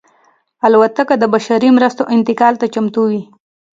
الوتکه د بشري مرستو انتقال ته چمتو وي.